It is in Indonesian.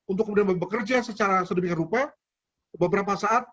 untuk kemudian bekerja secara sedemikian rupa beberapa saat